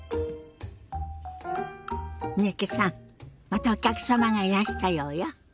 またお客様がいらしたようよ。